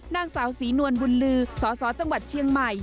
นางสาวศรีนวลบุญลือสสจังหวัดเชียงใหม่